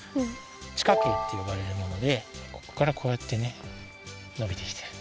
地下茎ってよばれるものでここからこうやってねのびてきてる。